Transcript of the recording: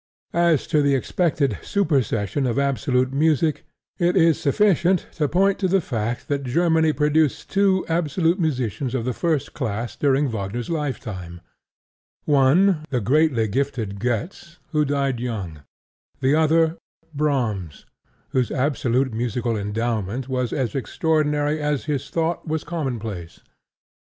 As to the expected supersession of absolute music, it is sufficient to point to the fact that Germany produced two absolute musicians of the first class during Wagner's lifetime: one, the greatly gifted Goetz, who died young; the other, Brahms, whose absolute musical endowment was as extraordinary as his thought was commonplace.